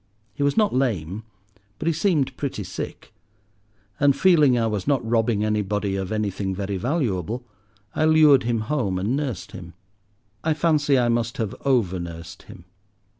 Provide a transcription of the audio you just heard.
He was not lame, but he seemed pretty sick; and, feeling I was not robbing anybody of anything very valuable, I lured him home and nursed him. I fancy I must have over nursed him.